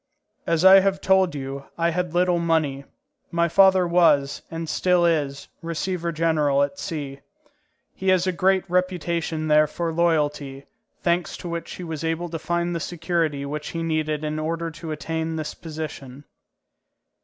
As I have told you, I had little money. My father was, and still is, receveur général at C. He has a great reputation there for loyalty, thanks to which he was able to find the security which he needed in order to attain this position.